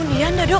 ya ampun yan dadok